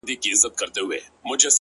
تـلاوت دي د ښايستو شعرو كومه.!